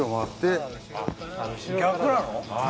逆なの？